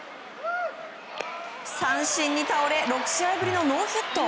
三振に倒れ６試合ぶりのノーヒット。